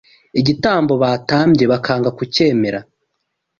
igitambo batambye bakanga kucyemera